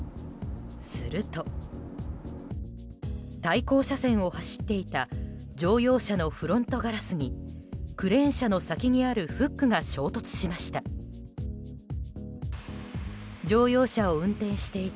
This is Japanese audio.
すると、対向車線を走っていた乗用車のフロントガラスにクレーン車の先にあるフックが衝突しました。